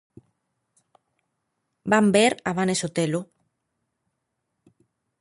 Van ver a Vane Sotelo.